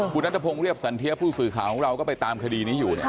คุณนัทพงศ์เรียบสันเทียผู้สื่อข่าวของเราก็ไปตามคดีนี้อยู่